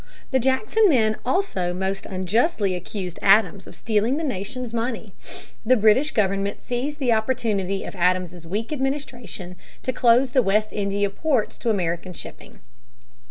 The Jackson men also most unjustly accused Adams of stealing the nation's money. The British government seized the opportunity of Adams's weak administration to close the West India ports to American shipping.